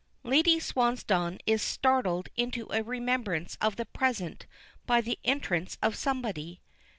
Lady Swansdown is startled into a remembrance of the present by the entrance of somebody.